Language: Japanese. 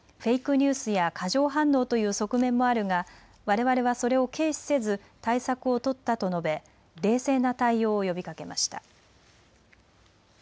ニュースや過剰反応という側面もあるがわれわれはそれを軽視せず対策を取ったと述べ冷静な対応を呼びかけました。